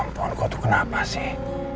ampon kok tuh kenapa sih